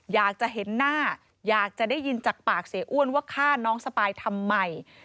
อยากจะเห็นหน้าอยากจะได้ยินจากปากเสียอ้วนว่าฆ่าน้องสปายทำไม